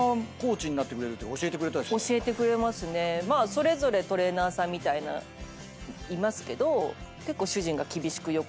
それぞれトレーナーさんみたいないますけど結構主人が厳しく横で。